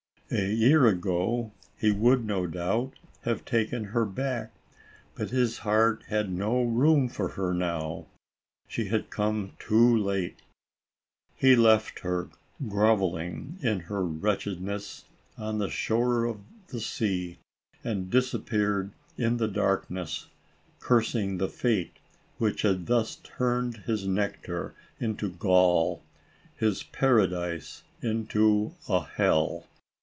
A year ago he would, no doubt, have taken her back, but his heart had no room for her now. She had come too late. He left her groveling, in her wretchedness, on the shore of the sea, and disappeared in the darkness, cursing the fate which had thus turned his nectar into gall, his paradise into a hell.